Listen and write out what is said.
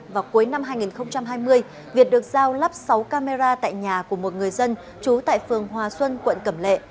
vào cuối năm hai nghìn hai mươi việt được giao lắp sáu camera tại nhà của một người dân trú tại phường hòa xuân quận cẩm lệ